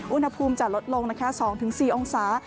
อุณหภูมิจะลดลงนะคะ๒๔องศา